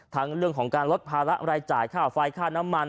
ทั้งเรื่องของการลดภาระรายจ่ายค่าไฟค่าน้ำมัน